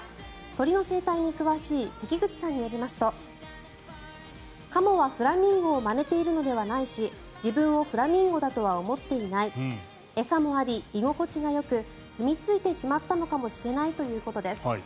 鳥の生態に詳しい関口さんによりますとカモはフラミンゴをまねているのではないし自分をフラミンゴだとは思っていない餌もあり居心地がよくすみ着いてしまったのかもしれないということです。